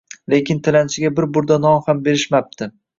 lekin tilanchiga bir burda non ham berishmapti.